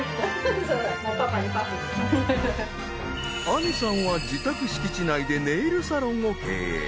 亜美さんは自宅敷地内でネイルサロンを経営。